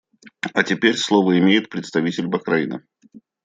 А теперь слово имеет представитель Бахрейна.